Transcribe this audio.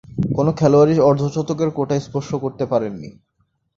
কোন খেলোয়াড়ই অর্ধ-শতকের কোটা স্পর্শ করতে পারেননি।